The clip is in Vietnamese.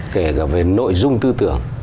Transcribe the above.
kể cả về nội dung tư tưởng